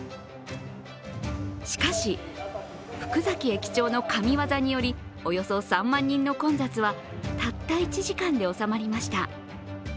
しかし、福崎駅長の神業によりおよそ３万人の混雑はたった１時間で収まりました。